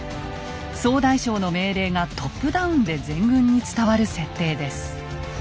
総大将の命令がトップダウンで全軍に伝わる設定です。